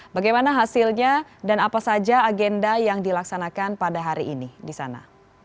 bagaimana hasilnya dan apa saja agenda yang dilaksanakan pada hari ini di sana